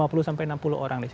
untuk menempatkan korban jiwa